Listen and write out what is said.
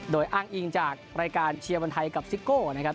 โดยอ้างอิงจากรายการเชียร์บอลไทยกับซิโก้นะครับ